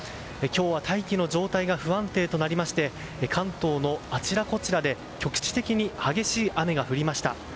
今日は大気の状態が不安定となりまして関東のあちらこちらで局地的に激しい雨が降りました。